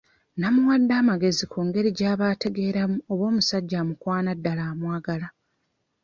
Namuwadde amagezi ku ngeri gy'aba ategeeramu oba omusajja amukwana ddala amwagala.